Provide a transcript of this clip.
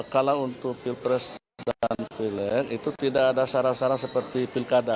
kalau untuk pilpres dan pileg itu tidak ada syarat syarat seperti pilkada